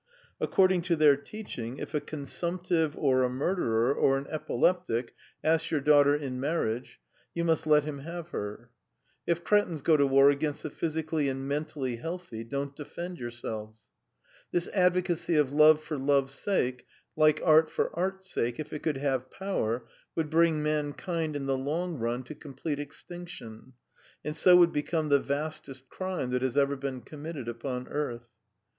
According to their teaching, if a consumptive or a murderer or an epileptic asks your daughter in marriage, you must let him have her. If crêtins go to war against the physically and mentally healthy, don't defend yourselves. This advocacy of love for love's sake, like art for art's sake, if it could have power, would bring mankind in the long run to complete extinction, and so would become the vastest crime that has ever been committed upon earth.